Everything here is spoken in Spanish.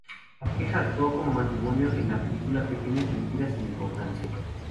La pareja actuó como matrimonio en la película "Pequeñas mentiras sin importancia".